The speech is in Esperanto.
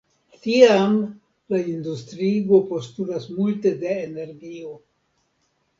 Tiam la industriigo postulas multe de energio.